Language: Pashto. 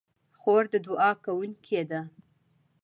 خور د دعا کوونکې ده.